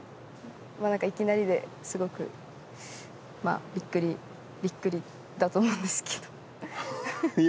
何かいきなりですごくまあびっくりびっくりだと思うんですけどいや